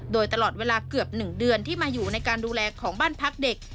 โดยตลอดเวลาเกือบ๑เดือนที่มาอยู่ในการดูแลของบ้านพักเด็ก